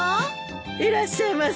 いらっしゃいませ。